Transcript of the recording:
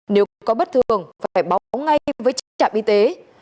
nếu có bất thường phải báo ngay với chính trạm y tế